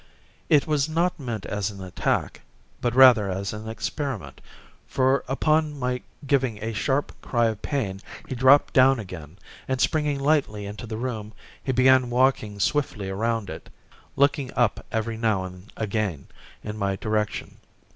It was not meant as an attack, but rather as an experiment, for upon my giving a sharp cry of pain he dropped down again, and springing lightly into the room, he began walking swiftly round it, looking up every now and again in my direction.